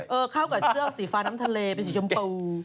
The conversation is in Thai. เข้ากับเสื้อสีฟ้าน้ำทะเลเป็นสีชมพู